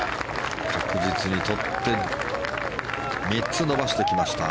確実に取って３つ伸ばしてきました。